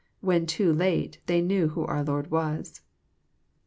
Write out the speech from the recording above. When too late they knew who our Lord was.